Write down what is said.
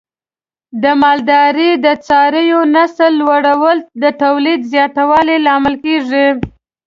د مالدارۍ د څارویو نسل لوړول د تولید زیاتوالي لامل کېږي.